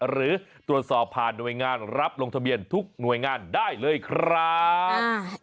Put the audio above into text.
หรือตรวจสอบผ่านหน่วยงานรับลงทะเบียนทุกหน่วยงานได้เลยครับ